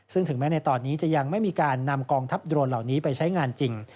ซึ่งถึงแม้ในตอนนี้จะยังไม่มีการนำกองทัพโดรนเหล่านี้ไปใช้งานจริง